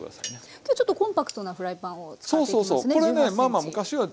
今日ちょっとコンパクトなフライパンを使っていきますね１８ｃｍ。